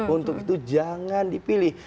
untuk itu jangan dipilih